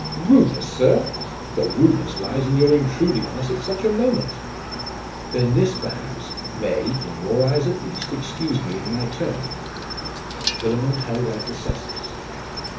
'Rudeness, sir? the rudeness lies in your intruding on us at such a moment!' 'Then this, perhaps, may, in your eyes at least, excuse me in my turn.' And Philammon held out the cestus.